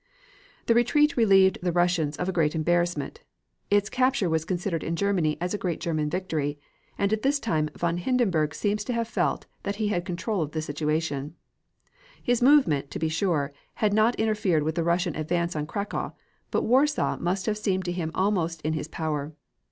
The retreat relieved the Russians of a great embarrassment. Its capture was considered in Germany as a great German victory, and at this time von Hindenburg seems to have felt that he had control of the situation. His movement, to be sure, had not interfered with the Russian advance on Cracow, but Warsaw must have seemed to him almost in his power.